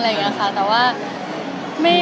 แต่ว่าไม่ใช่ค่ะเป็นไปไม่ได้